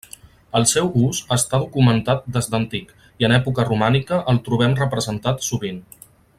El seu ús està documentat des d'antic i en època romànica el trobem representat sovint.